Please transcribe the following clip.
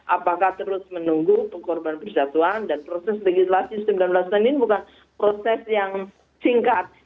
apakah terus menunggu pengkorban persatuan dan proses legislasi sembilan belas senin bukan proses yang singkat